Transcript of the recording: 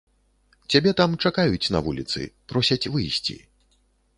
Цябе там чакаюць на вуліцы, просяць выйсці.